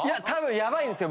ヤバいんですよ